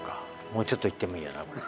もうちょっといってもいいよなこれ」